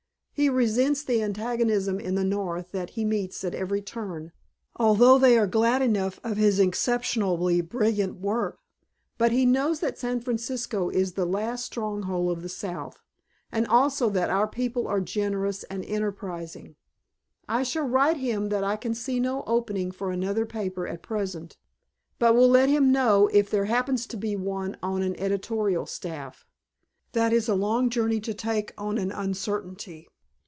He resents the antagonism in the North that he meets at every turn, although they are glad enough of his exceptionally brilliant work. But he knows that San Francisco is the last stronghold of the South, and also that our people are generous and enterprising. I shall write him that I can see no opening for another paper at present, but will let him know if there happens to be one on an editorial staff. That is a long journey to take on an uncertainty."